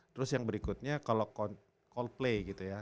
terus yang berikutnya kalo call play gitu ya